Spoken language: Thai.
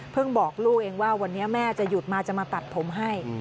บอกลูกเองว่าวันนี้แม่จะหยุดมาจะมาตัดผมให้